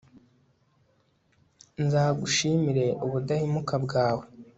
nzagushimire ubudahemuka bwawe